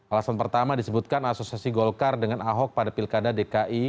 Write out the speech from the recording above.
alasan pertama disebutkan asosiasi golkar dengan ahok pada pilkada dki